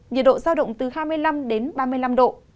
nhiệt độ giao động từ hai mươi năm đến ba mươi năm độ